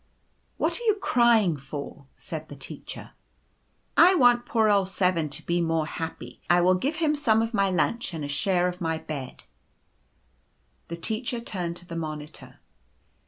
" What are you crying for ?" said the Teacher. "/ want poor old 7 to be more happy. I will give him some of my lunch and a share of my bed" Ruffin' s evil wish. 1 1 5 The Teacher turned to the Monitor.